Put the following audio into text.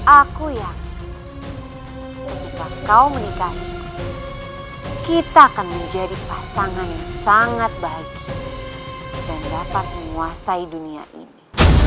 aku ya kau menikah kita akan menjadi pasangan yang sangat bahagia dan dapat menguasai dunia ini